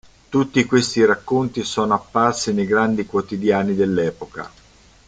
Tutti questi racconti sono apparsi nei grandi quotidiani dell'epoca.